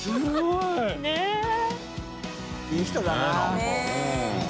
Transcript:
いい人だな。